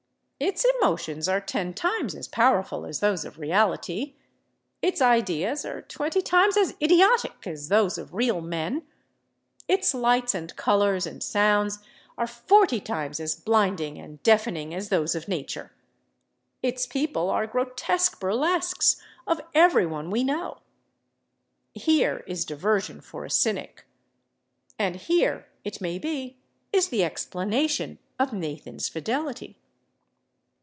Its emotions are ten times as powerful as those of reality, its ideas are twenty times as idiotic as those of real men, its lights and colors and sounds are forty times as blinding and deafening as those of nature, its people are grotesque burlesques of every one we know. Here is diversion for a cynic. And here, it may be, is the explanation of Nathan's fidelity.